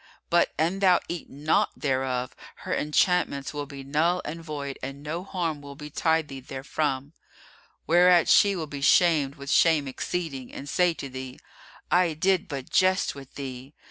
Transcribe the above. But, an thou eat not thereof, her enchantments will be null and void and no harm will betide thee therefrom; whereat she will be shamed with shame exceeding and say to thee, 'I did but jest with thee!